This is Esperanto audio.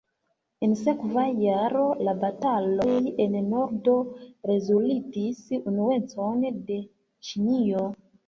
En sekva jaro, la bataloj en nordo rezultis unuecon de Ĉinio.